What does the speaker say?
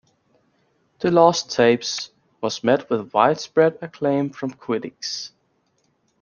"The Lost Tapes" was met with widespread acclaim from critics.